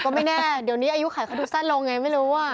ก็ไม่แน่เดี๋ยวนี้อายุขายเขาดูสั้นลงไงไม่รู้